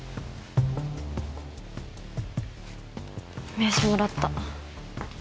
名刺もらった。